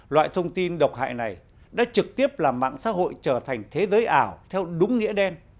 loại thông tin độc hại này đã trực tiếp làm mạng xã hội trở thành thế giới ảo theo đúng nghĩa đen